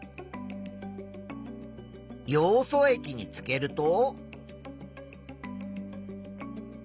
ヨウ素液につけると？